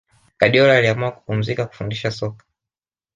guardiola aliamua kupumzika kufundisha soka